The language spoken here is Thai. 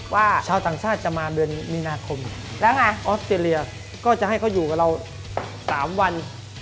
ชาวต่างชาติจะมาเดือนมีนาคมแล้วไงออสเตรเลียก็จะให้เขาอยู่กับเรา๓วัน